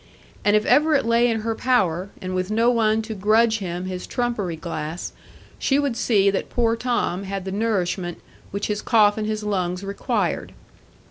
And if ever it lay in her power, and with no one to grudge him his trumpery glass, she would see that poor Tom had the nourishment which his cough and his lungs required.